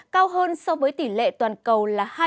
cao hơn so với tỷ lệ toàn cầu là hai